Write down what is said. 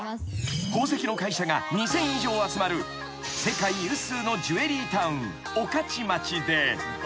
［宝石の会社が２，０００以上集まる世界有数のジュエリータウン御徒町で］